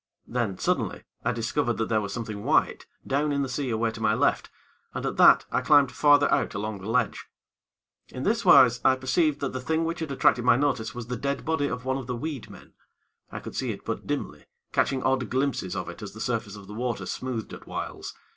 Then, suddenly, I discovered that there was something white, down in the sea away to my left, and, at that, I climbed farther out along the ledge. In this wise I perceived that the thing which had attracted my notice was the dead body of one of the weed men. I could see it but dimly, catching odd glimpses of it as the surface of the water smoothed at whiles.